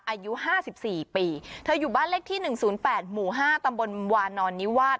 อายุ๕๔ปีเธออยู่บ้านเลขที่๑๐๘หมู่๕ตำบลวานอนนิวาส